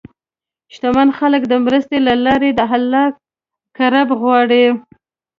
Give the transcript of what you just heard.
شتمن خلک د مرستې له لارې د الله قرب غواړي.